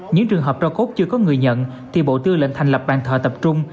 những trường hợp trò cốt chưa có người nhận thì bộ tư lệnh thành lập bàn thợ tập trung